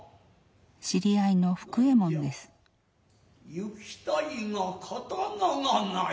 何ぢや行きたいが刀がない。